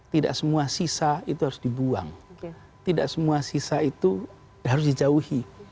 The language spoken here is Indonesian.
tidak semua sisa itu harus dibuang tidak semua sisa itu harus dijauhi